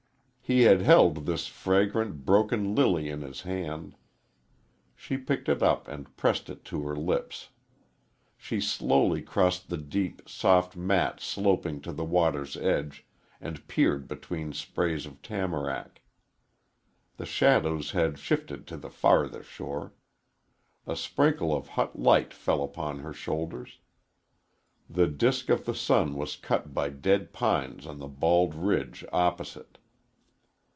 He had held this fragrant, broken lily in his hand. She picked it up and pressed it to her lips. She slowly crossed the deep, soft mat sloping to the water's edge, and peered between sprays of tamarack. The shadows had shifted to the farther shore. A sprinkle of hot light fell upon her shoulders. The disk of the sun was cut by dead pines on the bald ridge opposite.